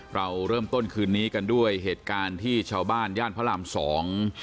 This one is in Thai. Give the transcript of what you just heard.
เราเริ่มต้นคืนนี้กันด้วยเหตุการณ์ที่ชาวบ้านย่านพระรามสอง